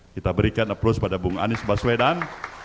kita berikan approach pada bung anies baswedan